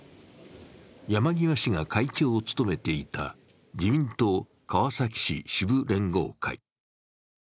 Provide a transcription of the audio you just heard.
山際氏が会長を務めていた自民党川崎市支部連合会。